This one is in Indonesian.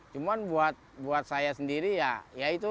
cuma buat saya sendiri ya ya itu